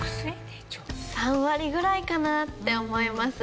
３割ぐらいかなって思います。